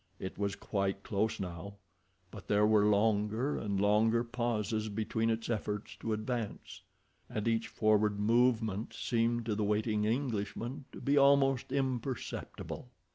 It was quite close now, but there were longer and longer pauses between its efforts to advance, and each forward movement seemed to the waiting Englishman to be almost imperceptible.